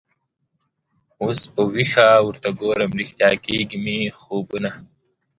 اوس په ویښه ورته ګورم ریشتیا کیږي مي خوبونه